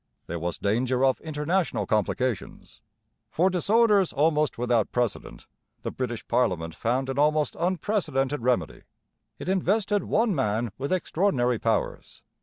There was danger of international complications. For disorders almost without precedent the British parliament found an almost unprecedented remedy. It invested one man with extraordinary powers.